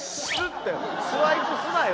スワイプすなよ。